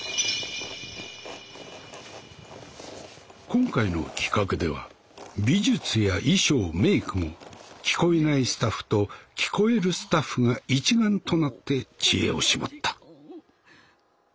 今回の企画では美術や衣装メークも聞こえないスタッフと聞こえるスタッフが一丸となって知恵を絞った。